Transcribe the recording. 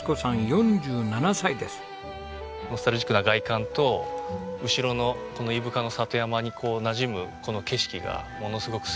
ノスタルジックな外観と後ろの伊深の里山になじむこの景色がものすごく好きで。